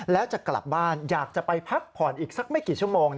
แล้วจะกลับบ้านอยากจะไปพักผ่อนอีกสักไม่กี่ชั่วโมง